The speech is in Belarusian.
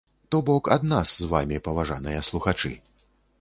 То бок ад нас з вамі, паважаныя слухачы!